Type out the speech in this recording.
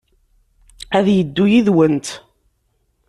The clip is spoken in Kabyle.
Ad yeddu yid-went.